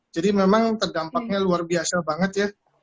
jadi memang terdampaknya luar biasa banget ya